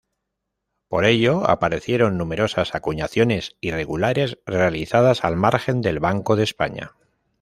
Por ello, aparecieron numerosas acuñaciones irregulares, realizadas al margen del Banco de España.